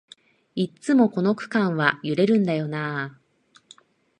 いっつもこの区間は揺れるんだよなあ